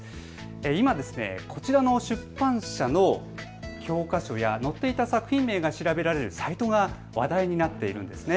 今、こちらの出版社の教科書や載っていた作品名が調べられるサイトが話題になっているんです。